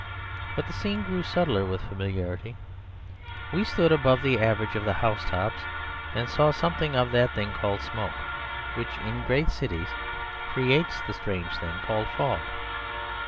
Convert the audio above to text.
But the scene grew subtler with familiarity. We stood above the average of the housetops and saw something of that thing called smoke, which in great cities creates the strange thing called fog.